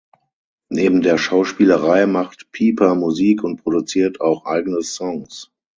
Neben der Schauspielerei macht Piper Musik und produziert auch eigene Songs.